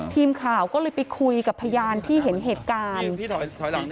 ทีมข่าวก็เลยไปคุยกับพยานที่เห็นเหตุการณ์ถอยหลัง